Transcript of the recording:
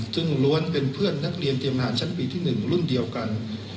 ซึ่งล้วนเป็นเพื่อนนักเรียนเตรียมทหารชั้นปีที่๑รุ่นเดียวกัน